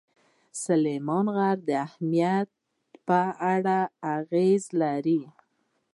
سلیمان غر د امنیت په اړه اغېز لري.